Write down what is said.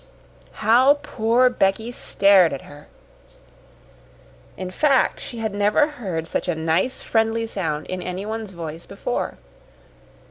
How poor Becky stared at her! In fact, she had never heard such a nice, friendly sound in anyone's voice before.